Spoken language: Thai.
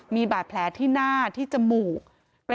มีบาดแผลที่หน้าที่จมูก